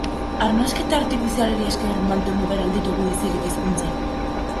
Arnasketa artifizialari esker mantendu behar al ditugu bizirik hizkuntzak?